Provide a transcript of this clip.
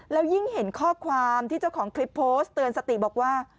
แล้วยิ่งเห็นข้อความที่เจ้าของคลิปโพสต์เตือนสติบอกว่า